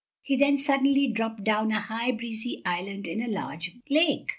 He then suddenly dropped upon a high, breezy island in a large lake.